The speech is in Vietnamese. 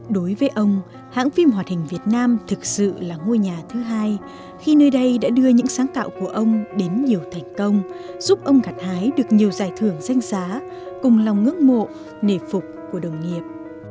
đối với ông hãng phim hoạt hình việt nam thực sự là ngôi nhà thứ hai khi nơi đây đã đưa những sáng tạo của ông đến nhiều thành công giúp ông gặt hái được nhiều giải thưởng danh giá cùng lòng ngưỡng mộ nề phục của đồng nghiệp